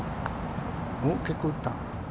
おっ、結構打った。